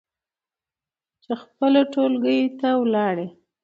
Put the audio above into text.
چې خپلو ټولګيو ته ولاړې